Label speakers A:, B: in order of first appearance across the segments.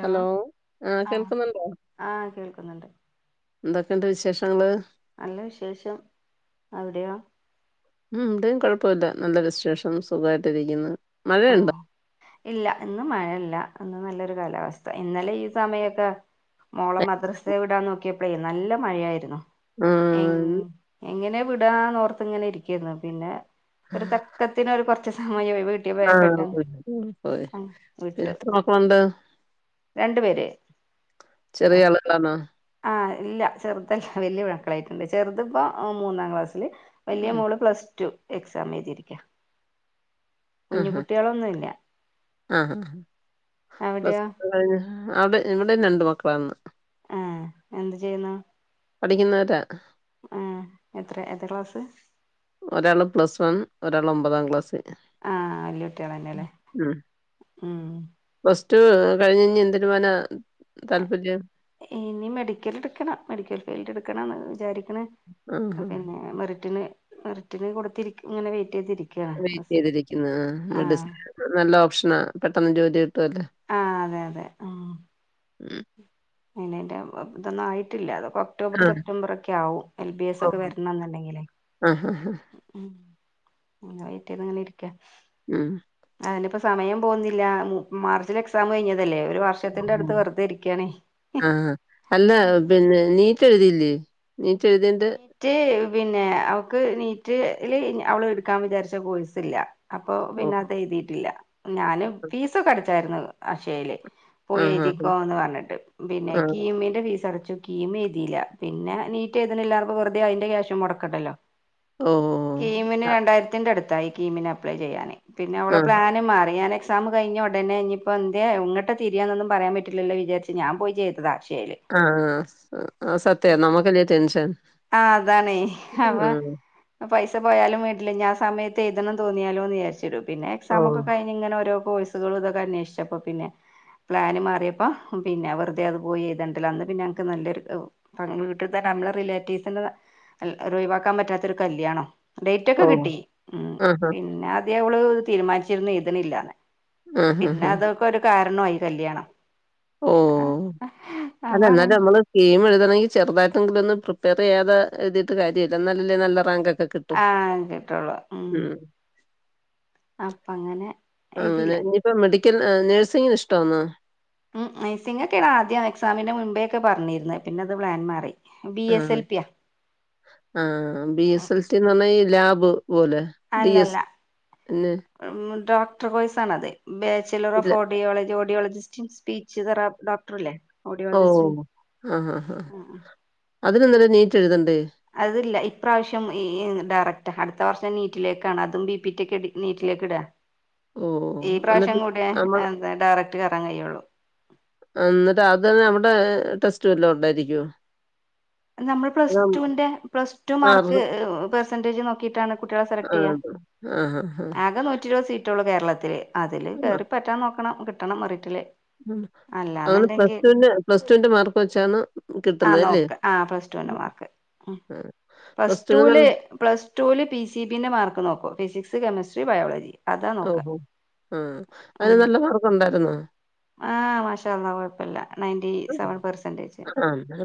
A: Hello ആ കേൾക്കുന്നുണ്ടോ
B: ആഹ് കേൾക്കുന്നുണ്ട്
A: എന്തൊക്കെണ്ട് വിശേഷങ്ങള്
B: നല്ല വിശേഷം അവിടെയൊ
A: ഉം ഇവിടെയും കൊഴപ്പൊല്ല നല്ല വിശേഷം. സുഖായിട്ട് ഇരിക്ക്ന്ന്
B: ഓ ഇല്ല ഇന്ന് മഴ ഇല്ല. ഇന്ന് നല്ലൊരു കാലാവസ്ഥ. ഇന്നലെ ഈ സമയൊക്ക മോളെ മദ്രസെ വിടാൻ നോക്കിയപ്പളേ നല്ല മഴയായിരുന്നു.
A: ആഹ്
B: എങ്ങനെ വിടുകാന്നോർത്ത് ഇങ്ങനെ ഇരിക്കായിരുന്നു. പിന്നെ ഒരു തക്ക ത്തിന് ഒര് കൊറച്ച് സമയവെ വീ
A: ആഹ് പോയി.
B: വിട്ടു
A: എത്ര മക്കളുണ്ട്.
B: രണ്ടു പേര്
A: ചെറിയ ആള് എന്നാന്
B: ആഹ് ഇല്ല ചെറുതല്ല വലിയ മക്കളായിട്ടുണ്ട് ചെറുത് ഇപ്പം മൂന്നാം ക്ലാസ്സില് വലിയ
A: ഉം
B: മോള് പ്ലസ് ടു എക്സാം എഴുതിരിക്കുകയാ കുഞ്ഞു
A: ആഹാ
B: കുട്ടികളൊന്നുമില്ല അവിടെയോ
A: അത്ഇവിടെ രണ്ടു മക്കളാണ് ഉള്ളത്
B: ആഹ് എന്തു ചെയ്യുന്നു
A: പഠിക്കുന്നതാ
B: ഏ എത്രയ എത്രാ ക്ലാസ്
A: ഒരാള് പ്ലസ് വൺ ഒരാൾ ഒമ്പതാം ക്ലാസ്
B: ആഹ് വല്യ കുട്ടികളന്നെല്ലേ
A: ഉം
B: ഉം
A: പ്ലസ്റ്റു കഴിഞ്ഞ് ഇനി എന്തിനു പോവാനാ താല്പര്യം
B: ഇനി മെഡിക്കൽ എടുക്കണം മെഡിക്കൽ ഫീൽഡ് എടുക്കണന്ന് വിചാരിക്കണ്
A: ആഹ്
B: പിന്നെ മെറിട്ടിന് മെറിട്ടിന് കൊടുത്ത് ഇങ്ങനെ വെയിറ്റ് ചെയ്തിരിക്കുന്നു
A: വെയ്റ്റ് ചെയ്തിരിക്കുന്നു. ആ മെഡിസിൻ നല്ല ഓപ്ഷനാ പെട്ടെന്ന് ജോലി കിട്ടുവല്ലോ
B: ആ അതെ അതെ
A: ഉം
B: അയ്നേ ന്റെ ഇതൊന്നും ആയിട്ടില്ല അതൊക്കൊ ഒക്ടോബർ
A: ആഹ്.
B: സെപ്റ്റംബർ ഒക്കെ ആവും എൽ ബി എസ് ഒക്കെ
A: ഓഹ്.
B: വരണെന്നുണ്ടെങ്കിലേ
A: ആഹാഹാ.
B: ഉഹും അങ്ങനെ വെയ്റ്റ് ചെയ്ത് ങ്ങനെ ഇരിക്ക
A: ഉം
B: അതിനിപ്പോ സമയം പോകുന്നില്ല മാർച്ചിൽ എക്സാം കഴിഞ്ഞതല്ലേ ഒരു വർഷത്തിന്റെ
A: ഓഹ്.
B: അടുത്ത് വെറുതെ ഇരിക്കുകയാണ്
A: ആഹ് അല്ല പിന്നെ നീറ്റെഴുതിയില്ലേ നീറ്റ് എഴുതിയതിന്റെ
B: മറ്റ് പിന്നെ അവക്ക് നീറ്റ്ല് അവള് എടുക്കാൻ വിചാരിച്ച കോഴ്സില്ല അപ്പൊ പിന്നെ
A: ഓഹ്.
B: അത് എഴുതിട്ടില്ല ഞാന്
A: ആഹ്.
B: ഫീസ് അടിച്ചായിരുന്നു ആഷ്യയില് പോയി
A: ആഹാ.
B: എഴുതിക്കോ
A: ഉം.
B: എന്ന് പറഞ്ഞിട്ട് പിന്നെ
A: ആഹ്.
B: കിമിന്റെ ഫീസ് അടച്ചു കിമി എഴുതിയില്ല പിന്നെ നി നീറ്റ് എഴുതുന്നില്ല വെറുതെ അതിന്റെ ക്യാഷും മുടക്കണ്ടല്ലോ
A: ഓ ഓ
B: കീമിന് രണ്ടായിരത്തിന്റെ അടുത്തായി കീമിന് അപ്ലൈ ചെയ്യാന് പിന്നെ അവളെ പ്ലാനും മാറി ഞാന് എക്സാം കഴിഞ്ഞത് ഉടനെ ഇനി ഇപ്പോ എന്തെഎങ്ങട്ടെ തി രിയാനൊന്നുംപറയാൻ പറ്റില്ലല്ലോ വിചാരിച്ച് ഞാൻ പോയി ചെയ്തതാ അക്ഷയില്
A: ആഹ് സത്യ നമ്മുക്കല്ലേ ടെൻഷൻ
B: ആ അതാണെ
A: ആഹ്.
B: അപ്പ പൈസ പോയാലും വേണ്ടില്ല ആ സമയത്ത്എഴുതണെന്ന് തോന്നിയാലോ എന്ന് വിചരിച്ചുള്ളു പിന്നെ എക്സാം ഒക്കെ
A: ഓഹ്.
B: കഴി ഞ്ഞ് ഇങ്ങനെ ഓരോ കോസ്സുകൾ ഇതൊക്കെ അനോഷിച്ചപ്പൊ പിന്നെ പ്ലാന് മാറിയപ്പോം പിന്നെ വെറുതെ അത് പോയിഎഴുതേണ്ടല്ലോ അന്ന് പിന്നെ ഞങ്ങക്ക് നല്ലൊരു ഒ അങ്ങേ വീട്ടിൽ ത്തെ നമ്മള റിലേറ്റീവ്സിന്റെ ഒഴിവാക്കാൻ പറ്റാത്തൊരു കല്യാണാ ഡെയ്റ്റ് ഒക്കെ
A: ഓഹ്.
B: കിട്ടി ഉ
A: ആഹാ.
B: പിന്നെ ആദ്യ അവള് തീരുമാനിച്ചിരുന്നു എഴുതണില്ലാന്ന് പിന്നെ
A: ആഹാഹാ.
B: അതൊക്കെ ഒരു കാരണമായി കല്യാണം
A: ഓ അല്ല
B: അപ്പൊ പിൻ
A: എന്നാലുംനമ്മള് ഗെയിം എഴുതണെങ്കിൽ ചെറുതായിട്ട്ട്ടെങ്കിലും പ്രപ്പയർ ചെയ്യാതെഴുതിട്ട് കാര്യമില്ല നല്ല റാങ് ഒക്കെ
B: ആഹ് കിട്ടുള്ളൂ ഉം അപ്പ അങ്ങനെ എഴുതില്ല
A: ഇപ്പ മെഡിക്കൽ നേഴ്സിങ്ങിന്ഷ്ടണോ
B: ഉം നഴ്സിംഗ് ഒക്കെയാണ് ആദ്യം എക്സാമിന്റെ മുമ്പൊക്കെ പറഞ്ഞിരുന്നേപിന്നെ അത് പ്ലാൻ മാറി ബി എസ്
A: ആഹ്.
B: എൽപിയ
A: ആഹ് ബി എസ് എൽ സിന്ന് പറഞ്ഞ ലാബ് പോലെ ഡി എസ്
B: അല്ലല്ല
A: ന്
B: ഡോക്ടർ കോഴ്സ് ആണ് അത് ബാച്ചലർ ഓഫ്
A: ഇല്ല
B: ഓർഡിയോളജി ഓഡിയോളജിസ്റ്റ് ഇൻ സ്പീച്ച് തെറാ ഡോ ക്ടർല്ലേ
A: ഓ ആ ആഹാ അതിനെന്നേരം നീറ്റ് എഴുതണ്ടേ
B: അത് ഇല്ല ഇപ്രാവശ്യം ഈ ഡയറക്റ്റ് അടുത്ത വർഷം നീറ്റിലേക്കാണ് അതും ബിപറ്റ ഒക്കെ ഇ നീറ്റിലേക്ക് ഇട
A: ഉം
B: ഈ പ്രാവശ്യം കൂടെ എന്താ ഡയറക്ട് കയറാൻ കഴിയുള്ളൂ
A: എന്നിട്ട് അദ്യ തന്നെ അവിടെ ടെസ്റ്റ് വല്ലത ഉണ്ടായിരിക്കുവോ
B: നമ്മൾ പ്ലസ് റ്റൂവിന്റെ പ്ലസ് ടു മാർക്ക് പെർസെന്റേജ് നോക്കിയിട്ടാണ് കുട്ടികളെ സെലക്ട് ചെയ്യുക
A: [inaudible]
B: ആകെ നൂറ്റി ഇരുപത് സീറ്റ ഒള്ളു കേരളത്തില് അതില് കേറി പറ്റാൻ നോക്കണം കിട്ടണം മെറിന്റ്‌ല്
A: ഉം അങ്ങനെ പ്ലസ് ടു വിന്റെ പ്ലസ് ടുവിന്റെ മാർക്ക് വെച്ചാണ്
B: ആ
A: കിട്ടുന്നത് അല്ലേ
B: നോക്ക ആ പ്ലസ് ടുവിന്റെ മാർക്ക്
A: ആ
B: പ്ലസ്
A: പ്ലസ്ടുവിന്
B: ടൂല്
A: നല്ല
B: പ്ലസ് ടൂവിൽ പി സി ബിന്റെ മാർക്ക് നോക്കും ഫിസിക്സ് കെമസ്ട്രി ബയോളജി അതാ നോക്ക
A: ഓഹോ ആ അതിന് നല്ല മാർക്ക് ഉണ്ടായിരുന്നോ
B: ആഹ് മാഷാ അള്ളാ കുഴപ്പമില്ല നയന്റി സെവൻ പെർസെന്റേജ്
A: ആഹ് എന്നാ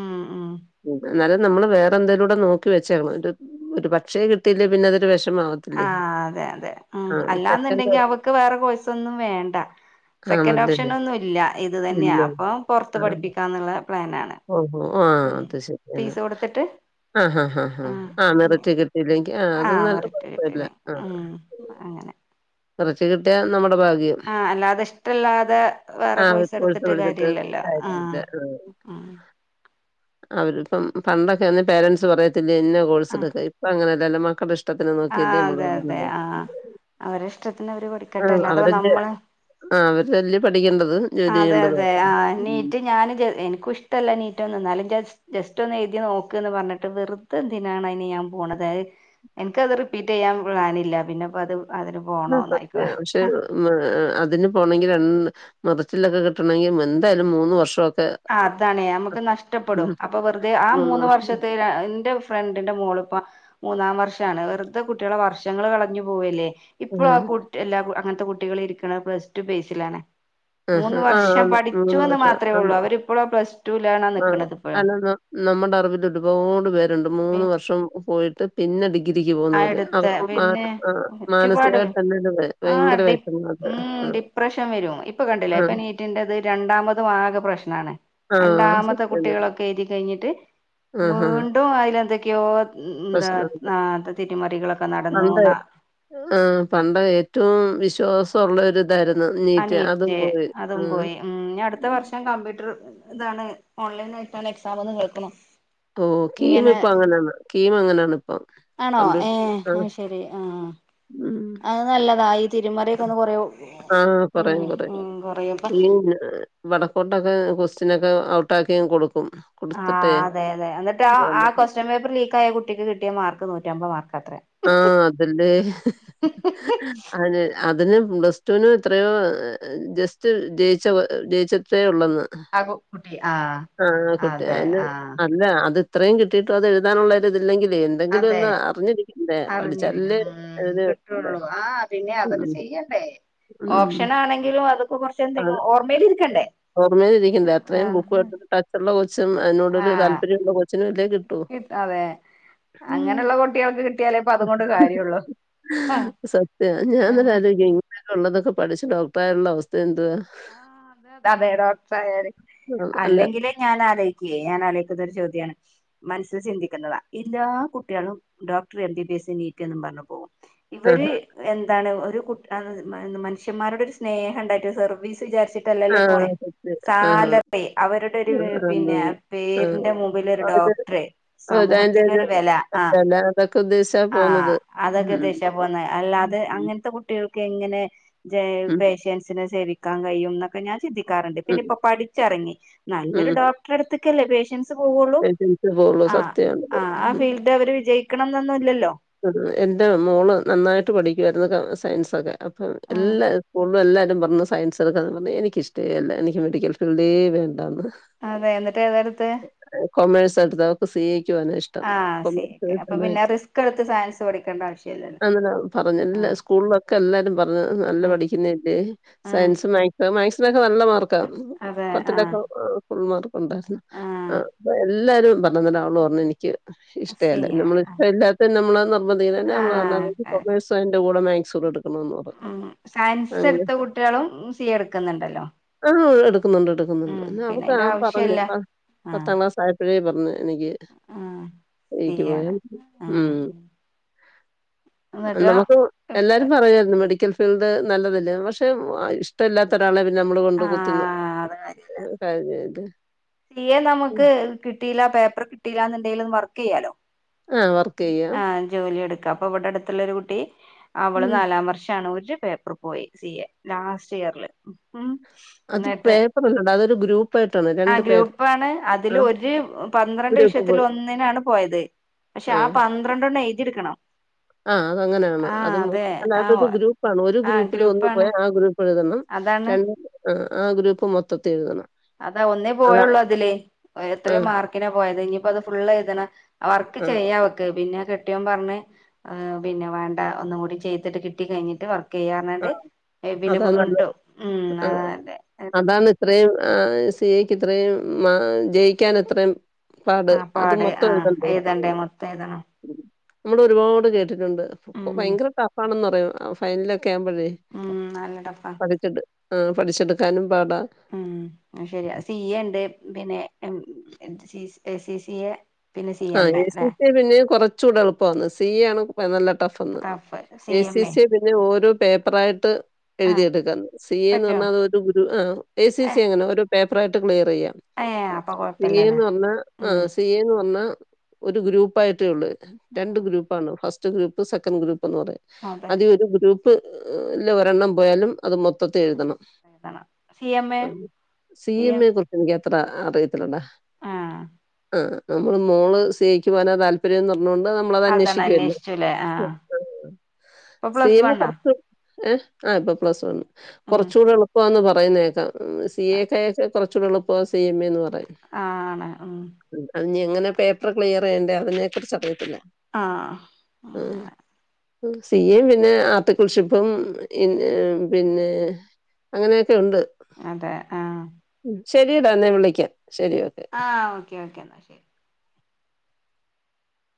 B: ഉം ഉം
A: ഉ എന്നാലും നമ്മള് വേറെ എന്തേലൂടെ നോക്കി വെച്ചേക്കണം ഒരു ഒരു പക്ഷേെ കിട്ടീല്ലേ പിന്നെ അതൊരു വിഷമാവും
B: ആ അതെ അതെ ഉം
A: സെക്കൻഡ്
B: അല്ലാന്നുണ്ടെങ്കി അവക്ക് വേറെ കോഴ്സ് ഒന്നും വേണ്ട സെക്കൻഡ്
A: ആണല്ലല്ലേ?
B: ഓപ്ഷന് ഒന്നും ഇല്ല ഇത് തന്നെയാ
A: ഇല്ല.
B: അപ്പൊ പുറത്ത്
A: ആഹ്.
B: പഠിപ്പിക്കാന്നുള്ള പ്ലൻാണ്
A: ഓഹോ ആഹ് അത് ശരിയാണ്
B: കൊടുത്തിട്ട്
A: ആഹ് ആഹ് ആഹ് ആഹ് ആഹ്
B: ആ
A: മെറിറ്റ് കിട്ടിയില്ലെങ്കിൽ ആ അത്
B: ആഹ്
A: നല്ല
B: മെറിറ്റ്
A: കുഴപ്പില്ല
B: കിട്ടീന്
A: ആഹ്
B: ഉം അങ്ങനെ
A: ക്കുറച്ച് കിട്ട്യാൽ നമ്മുടെ ഭാഗ്യം
B: ആഹ് അല്ലാതെ ഇഷ്ടല്ലാതെ വേറെ
A: ആഹ്
B: കോഴ്സ്
A: പോയി
B: എടുത്തിട്ട്
A: തെഴുതിട്ട്
B: കാര്യല്ലല്ലോ
A: കാര്യമില്ല ആഹ്
B: ഉം
A: അവര് ഇപ്പം പണ്ടൊക്കെന്ന് പേരൻസ് പറയത്തില്ലേ ഇന്നെ
B: ആഹ്
A: കോഴ്സെടുക്കാൻ ഇപ്പം അങ്ങന ല്ല മക്കടെ ഇഷ്ടത്തിന് നോക്കിയിട്ടേ
B: ആഹ്
A: നമ്മള്
B: അതെ അതെ
A: വിടെള്ളൂ
B: ആഹ് അവരെ ഇഷ്ടത്തിന് അവര് പഠി
A: ആഹ് അവരൊക്കെ ആ അവരെല്ലേ പഠിക്കേണ്ടത് ജോലി
B: അതെ
A: ചെയ്യേണ്ടതും
B: അതെ
A: ഒക്കെ.
B: ആ
A: ഉം.
B: നീറ്റ് ഞാൻ ജെ എനിക്കിഷ്ടല്ല നീറ്റൊന്നും എന്നാലും ജെ ജെസ്റ്റൊന്ന് എഴുതി നോക്ക്ന്ന് പറ്ഞ്ഞ്ട്ട് വെറ്തെന്തിനാണ് അയ്ന് ഞാൻ പോണത് അഹ് എന്ക്കത് റിപ്പീറ്റെയ്യാൻ പ്ലേനില്ല പിന്നെപ്പത് അതിന്
A: ആഹ്
B: പോണോന്നായിക്കും
A: സത്യാ പക്ഷെ അതിന് പോണെങ്കിൽ രണ് മെറിറ്റിലൊക്കെ കിട്ടണെങ്കിൽ എന്തായാലും മൂന്ന് വർഷൊക്കെ
B: ആ അതാണേ നമ്മക്ക് നഷ്ടപ്പെടും അപ്പം വെറുതെ ആ മൂന്ന്
A: വർഷം
B: വർഷത്തെ ഇന്റെ ഫ്രെണ്ടിന്റെ മോള്പ്പം മൂന്നാം വർഷാണ് വെറ്തെ കുട്ട്യാളെ വർഷങ്ങൾ കളഞ്ഞു പോവല്ലേ ഇപ്പൊഴും ആ
A: ആഹ്.
B: കുട്ട് എല്ലാ അങ്ങന്ത്തെ കുട്ടികളിര്ക്ക്ണത് പ്ലസ് ടു ബേസിലാണ്
A: ആഹാ.
B: മൂന്ന്
A: ആ
B: വർഷം
A: ആന്ന്.
B: പഠിച്ചുവെന്ന്
A: വർഷം
B: മാത്രേഒള്ളൂ
A: ആന്ന്.
B: അവരിപ്പൊഴും ആ പ്ലെസ്
A: ആ അല്ല ന നമ്മുടെ അറിവിലൊരുപാട് പേരുണ്ട് മൂന്ന് വർഷവും പോയിട്ട് പിന്നെ ഡിഗ്രിക്ക്
B: ആ
A: പോന്നോര്
B: എടുത്ത
A: അവർക്ക് മന
B: പിന്നെ
A: മാനസികായ്ട്ട് തന്നെ ഇത് വരും
B: ആ ഡി ഉം ഡിപ്രെഷൻ വെരും ഇപ്പം കണ്ടിലേ
A: ആ.
B: ഇപ്പനീ റ്റ്ൻ്റെത് രണ്ടാമതും ആകെ പ്രെശ്നാണ്
A: ആ.
B: രണ്ടാമത്തെ
A: സത്യാണ്.
B: കുട്ടികളൊക്കെ എഴ്തി കഴ്ഞ്ഞിട്ട്
A: ആഹാ.
B: വീണ്ടും അയ്ലെന്തൊക്കെയോ ന്താ
A: പ്രശ്നമുണ്ട്.
B: ആ തിരുമറികളൊക്കെ നടന്നൂന്നാ
A: ആഹ് പണ്ട് ഏറ്റവും വിശ്വാസൊള്ളൊര് തായ്ര്ന്നു നീറ്റ് അതും പോയി ഉം
B: ഞാൻ കമ്പ്യൂട്ടർ താണ് ഓൺലൈന്നായ്ട്ടാണ് എക്സാം ന്ന് കേൾക്ക്ണ്
A: തോ കീമ് ഇപ്പങ്ങനാണ് കീം അങ്ങനാണ് ഇപ്പം
B: ആണോ
A: കമ്പ്യൂ
B: ഏഹ്
A: ആഹ്
B: അയ്ശെരി ആഹാ
A: ഉം.
B: അത് നല്ലതാ തിരുമറ്യൊക്കൊന്ന് കൊറ്യൂം ഉം ഉം കൊറ്യും ഇപ്പ
A: പിന്നെ ളവടക്കോട്ടത് ക്വസ്റ്റ്യനൊക്കെ ഔട്ടാക്ക്യങ്ങ് കൊട്ക്കും
B: ആഹ് അതെയതെ എനിട്ടാ ആ കൊക്സ്റ്റ്യൻ പേപ്പർ ലീക്കായ കുട്ടിക്ക് കിട്ടിയ മാർക്ക് നൂറ്റമ്പത് മാർക്കാത്രേ
A: ആഹ് അതല്ലേ അതെ അതിന് പ്ലെസ്ടൂന് എത്രയോ ജെസ്റ്റ് ജയ്ച്ച ജയ്ച്ച ച്ചേ ഉള്ളെന്ന്
B: ആകു കുട്ടി ആഹ്
A: ആഹ് കുട്ടി
B: അതെ
A: അതിന്
B: ആഹ്
A: അല്ല അത് ഇത്രയും കിട്ടിയിട്ടും അത് എഴുതാനുള്ളൊര് ഇതില്ലെങ്കിലേ
B: അതെ
A: എന്തെങ്കിലൊന്ന് അറിഞ്ഞിരി
B: അറിഞ്ഞിരിക്കും
A: ഇതേ.
B: കിട്ടൊള്ളൂ ആ പിന്നെ അതൊക്കെ
A: ഉം
B: ചെയ്യെണ്ടേ
A: ഉം.
B: ഓപ്ഷനാണെങ്കിലും അതൊക്കെ
A: അത്
B: കൊറ്ച്ചെന്തെങ്കിലും ഓർമ്മേലിരിക്കണ്ടേ ആഹ്
A: ടെച്ച്ള്ള കൊച്ചും അയ്നോടൊരു
B: ആഹ്
A: താല്പര്യൊള്ള കൊച്ചിനും ഇതേ കിട്ടൂ
B: ട്ട്യാൾക്ക് കിട്ട്യാലേപ്പതുകൊണ്ട് കാര്യൊള്ളൂ ആഹ്
A: ആഹ് ഞാൻന്നലെ
B: അതെ
A: ആലോയ്ക്ക്യേ ഇങ്ങനെള്ളതൊക്കെ പഠിച്ച് ഡോക്ടറായാല്ള്ള അവസ്ഥെന്തുവാ
B: ആഹ് അതെ അതെ ഡോക്ട്രായാൽ
A: ആഹ് അല്ല
B: അല്ലെങ്കിലേ ഞാൻ ആലോയ് ക്ക്യേ ഞാനാലോയ്ക്കുന്നൊര് ചോദ്യാണ് മനസ്സ് ചിന്തിക്ക്ന്നതാ എല്ലാ കുട്ട്യാളും doctor M B B S NEET എന്നും പറഞ്ഞ് പോകും
A: ആഹ്
B: ഇവര് എന്താണ് ഒരു കു മന്ഷ്യമാരോട് ഒരു സ്നേഹണ്ടായിട്ടോ സർവീസ് വിചാര്ച്ചിട് ട്ടല്ലല്ലോ ഈ പോയെ
A: ആഹ് സത്യം. ആഹാ.
B: സാലറി അവരുടൊര്
A: ആഹ് ആന്ന്.
B: പിന്നെ
A: ആഹ്
B: പേരിന്റെ മുമ്പിലൊര് ഡോ
A: അത്
B: ട്ട്ർ സമൂഹത്തിലൊര് വെലാ ആഹ്
A: തൊക്ക ഉദ്ധേശ്
B: ആഹ് അതെക്കെ ഉദ്ദേശിച്ചാ പോന്നേ അല്ലാതെ
A: ഉം.
B: അങ്ങൻത്തെ കുട്ടികൾക്കെങ്ങനെ ജേ
A: ഉം.
B: പേഷ്യൻസിനെ സേവിക്കാൻ കഴിയുംന്നൊ ക്കെ ഞാൻ ചിന്തിക്കാറ്ണ്ട്
A: ഉം.
B: പിന്നെപ്പം പഠിച്ചിറങ്ങി നല്ലൊരു
A: ഉം.
B: ഡോക്ടറെട്ത്ത്ക്കല്ലേ പേഷ്യൻസ് പോവുള്ളൂ
A: പേഷ്യൻസേ പോവുള്ളൂ.
B: ആ ആ
A: സത്യമാണത്.
B: ആ ഫീൽഡ് അവര് വിജയിക്കണം എന്നൊന്നുംല്ലല്ലോ
A: എന്റെ മോള് നന്നായിട്ട് പഠിക്കുവായിരുന്നു സയൻസൊക്കെ
B: ആഹ്
A: എല്ലാ സ്കൂളിലും എല്ലാരും പറഞ്ഞു സയൻസ് എനിക്കിഷ്ടേല്ല എനിക്ക് മെഡിക്കൽ ഫീൽഡ് വേണ്ടാന്ന്
B: അതെ എന്നിട്ട് ഏതെടുത്ത്
A: കൊമേഴ്സ് എടുത്ത് അവക്ക് സി എ ക്ക് പോവാന ഇഷ്ടം കൊമേഴ്സ്
B: ക്കെടുത്ത് സയ സ്സ് പഠിക്കണ്ട ആവശ്യം
A: അന്നേരം പറഞ്ഞ് സ്കൂളിലൊക്കെ എല്ലാരും പറഞ്ഞു നല്ല
B: ആഹ്
A: പഠിക്കുന്ന അല്ലെ
B: ആഹ്
A: സയൻസ് മാക്സ് മാക്സിനൊക്കെ നല്ല മാർക്ക
B: അതെ ആഹ്
A: പത്തിലൊക്കെ ഫുൾ മാർക്കുണ്ടായിരുന്നു
B: ആഹ്
A: അപ്പൊ എല്ലാരും പറഞ്ഞതാ അന്നേരം അവള് പറഞ്ഞു എനി ക്ക്
B: സി
A: ഇഷ്ടേല്ല
B: എ
A: നമ്മള് എല്ലാത്തിനും നമ്മള് നിർമ്പന്ധിക്കന്നമ്മളെ
B: ആഹ്
A: [unintelligible] അയിൻ്റെ കൂടെ മാക്സുടെ എടുക്കണന്ന് പറഞ്ഞു
B: മ് സയൻസ്
A: അങ്ങനെ
B: എടുത്ത കുട്ടികളും സി എ എടുക്കുന്നുണ്ടല്ലോ
A: ആ എടുക്കുന്നുണ്ട് എടുക്കുന്നുണ്ട്
B: ഉം പിന്നെ
A: അവൾക്ക്
B: അയിന്റെ
A: അ പറഞ്ഞു
B: ആവശ്യല്ല
A: പത്താം ക്ലാസ്സ് ആയ ഇപ്പോഴേ പറഞ്ഞ് എനിക്ക്
B: ഉം
A: എനിക്ക് പോയാ
B: സിയാണ്
A: മ്
B: ഉം എന്നിട്ട്
A: നമുക്ക് എല്ലാരും പറയാർന്നു മെഡിക്കൽ ഫീൽഡ് നല്ലതല്ലെ പക്ഷെ ഇഷ്ടല്ലാത്ത ഒരാളെ നമ്മള് കൊണ്ട് കുത്തിന്ന്
B: ആഹ്
A: [unintelligible]
B: സീ എ നമുക്ക് കിട്ടിയില്ല പേപ്പർ കിട്ടിയിലാന്ന്ണ്ടെങ്കിൽ വർക്ക് ചെയ്യാലോ
A: ആ വർക്ക് ചെയ്യാം.
B: ആഹ് ജോലി എടുക്കാം അപ്പൊ ഇവിടെ അടുത്തുള്ളൊരു കുട്ടി അവള്
A: മ്മ്.
B: നാലാം വർഷാണ് ഒരു പേപ്പർ പോയി സി എ ലാസ്റ്റ് ഇയറില് ഉം
A: അത്
B: എന്നിട്ട്
A: [unintelligible] അതൊരു ഗ്രൂപ്പ്
B: ആ ഗ്രൂപ്പാണ് അതില് ഒരു പന്ത്രണ്ട്
A: ഗ്രൂപ്പ്
B: വിഷയത്തിൽ
A: പോയി.
B: ഒന്നിനാണ് പോയത് പക്ഷെ ആ പന്ത്രണ്ടെണ്ണം എയിതിയെടുക്കണം
A: ആ അതങ്ങനെയാണ് അതും അത് ഒരു ഗ്രൂപ്പാണ് ഒരു
B: ആ
A: ഗ്രൂപ്പിൽ ഒന്നു പോയ
B: ഗ്രൂപ്പാണ്
A: ആ ഗ്രൂപ്പ് എഴുതണം
B: അതാണ്
A: രണ്ടു ആഹ് ഗ്രൂപ്പ് മൊത്തത്തിൽ എഴുതണം
B: അതാ ഒന്നേ
A: അതാ
B: പോയൊള്ളൂ അതില്
A: ആ
B: എത്രയോ മാർക്കിനാ പോയത് ഇനിയിപ്പോ അത് ഫുള്ള് എഴുതണം വർക്ക്
A: ആ
B: ചെയ്യാ ക്ക് പിന്നെ കെട്ടിയോൻ പറഞ്ഞ് പിന്നെ വേണ്ട ഒന്നും കൂടി ചെയ്തിട്ട് കിട്ടി കഴിഞ്ഞിട്ട് വർ ക്ക്
A: ആ
B: ചെയ്യാറ്ഞ്ഞാണ്ട് പിന്നെ
A: അതാ നല്ലത്.
B: വീണ്ടും ഉം
A: ആ
B: അതല്ലെ എന്നട്ട്
A: അതാണ് ഇത്രയും ആഹ് സെ എ ക്ക് എത്രയും മാ ജയിക്കാൻ ഇത്രയും പാട്
B: ആ
A: അത്
B: പാട് ആ
A: മൊത്തവുംഎഴുതണ്ടേ
B: എഴുതണ്ടേ മൊത്തം എഴുതണം
A: നമ്മൾ ഒരുപാട് കേട്ടിട്ടുണ്ട്
B: ഉം
A: ഭയങ്കര ടഫ്ഫാണെന്ന് പറയും ഫൈനലൊക്കെ ആകുമ്പോഴേ
B: ഉം നല്ല ടഫ്ഫ
A: പഠിച്ചിട്ട് ആഹ് പഠിച്ചെടുക്കാനും പാടാ
B: ഉംഅത് ശരിയാ സി എ ഉണ്ട് പിന്നെ സി സി എ പിന്നെ സി
A: ആഹ്
B: എം
A: എ സി
B: അല്ലെ
A: സ പിന്നെയും കുറച്ച കൂടെ എളുപ്പാന്ന് സി എ ആണ് നല്ല ടഫ്ഫ് ന്ന് എ സി സിയെ പിന്നെ ഓരോ പേപ്പറായിട്ട്
B: ആ
A: എഴുതിയെടുക്കാണ് സി എ എന്ന്
B: പറ്റുവോ
A: പറഞ്ഞാൽ അത് ഒരു ഗുരു എ സി
B: ഏ
A: സി അങ്ങനെ ഓരോ പേപ്പറായിട്ട് ക്ലിയർ ചെയ്യാം
B: ഏ അപ്പൊ
A: സി എ
B: കൊഴപ്പില്ലല്ലേ
A: എന്ന് പറഞ്ഞ
B: ഉം
A: ആഹ് സി എ ന്ന് പറഞ്ഞാ ഒരു ഗ്രൂപ്പായിയിട്ടേ ഉള്ളൂ രണ്ട് ഗ്രൂപ്പാണ് ഫസ്റ്റ് ഗ്രൂപ്പ് സെക്കൻഡ് ഗ്രൂപ്പ്ന്ന് പറയാം
B: അതെ
A: അതിൽ ഒരു ഗ്രൂപ്പ് ല്ലെ ഒരെണ്ണം പോയാലും അത് മൊത്തത്തിൽ എഴുതണം
B: എഴുതണം C M A
A: C M A കുറിച്ച് എനിക്കത്ര അറിയ ല്ലടാ
B: ആ
A: ആ നമ്മള് മോള് സി എ ക്ക് പോവാനാ താല്പര്യംഎന്ന് പറഞ്ഞോണ്ട് ന മ്മൾ അത്
B: അതാണ്
A: അന്വേഷിക്കല്ലോ
B: അന്വേഷിച്ചുല്ലേ ആ ഇപ്പൊ
A: സി
B: പ്ലസ്
A: എം
B: വണ്ണാ
A: പുറത്ത് ഏഹ് ആഹ് ഇപ്പൊ പ്ലസ് വൺ
B: ഉം
A: കുറച്ചുടെ എളുപ്പാന്ന് പറയുന്നേക്കാം സി എ ക്കെ കുറച്ചൂടെ എളുപ്പാ സി എം എ എന്ന് പറയും
B: ആണ് മ്
A: ഇന്ന്എങ്ങനെ പേപ്പർ ക്ലിയർ ചെയ്യണ്ടേ അതിനെക്കുറിച്ച് അറിയത്തില്ല
B: ആഹ്
A: ഉം സി എം പിന്നെ ആർട്ടിക്കൾഷിപ്പും പിന്നെ അങ്ങനെയൊക്കെ ഉണ്ട്
B: അതെ ആ
A: ശരിടാ എന്നാൻ വിളിക്കാം ശരി ഓക്കെ
B: ആ ഓക്കെ ഓക്കെ എന്നാൽ ശരി